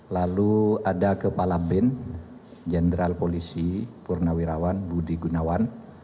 lalu ada kepala bin jenderal polisi purnawirawan budi gunawan